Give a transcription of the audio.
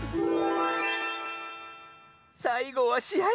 さいごはしあい！